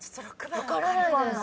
分からないです。